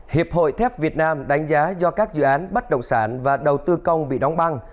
hiệp hội thép việt nam đánh giá do các dự án bất động sản và đầu tư công bị đóng băng